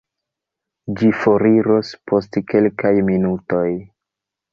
Ĝi foriros post kelkaj minutoj.